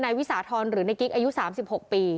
นายวิสาทรหรือนายกิ๊กอายุ๓๖ปี